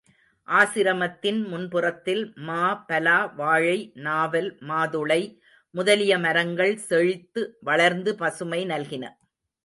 ஆசிரமத்தின் முன்புறத்தில் மா, பலா, வாழை, நாவல், மாதுளை முதலிய மரங்கள் செழித்து வளர்ந்து பசுமை நல்கின.